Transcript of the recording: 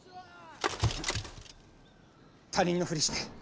他人のふりして逃げろ。